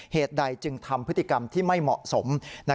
เหตุใดจึงทำพฤติกรรมที่ไม่เหมาะสม